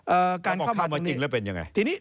เออการเข้ามาจริงแล้วเป็นอย่างไร